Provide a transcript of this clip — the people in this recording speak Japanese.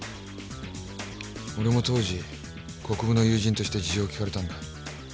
俺も当時国府の友人として事情を聞かれたんだ。